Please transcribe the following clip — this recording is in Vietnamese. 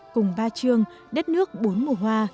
cùng ba trường đất nước bốn mùa hoa